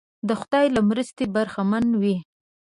د خدای له مرستې برخمن وي.